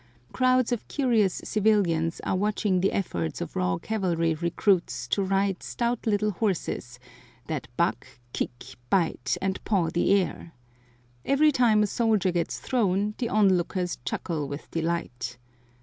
Crowds of curious civilians are watching the efforts of raw cavalry recruits to ride stout little horses, that buck, kick, bite, and paw the air. Every time a soldier gets thrown the on lookers chuckle with delight.